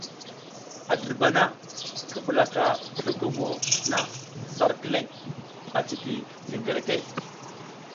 A dirbana ki ɓulaka zlogomo na zar kileŋ a ciki zlengereke.